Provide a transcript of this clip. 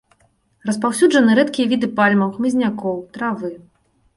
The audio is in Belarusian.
Распаўсюджаны рэдкія віды пальмаў, хмызнякоў, травы.